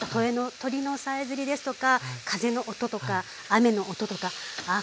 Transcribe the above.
鳥のさえずりですとか風の音とか雨の音とかあっ